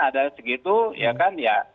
ada segitu ya kan ya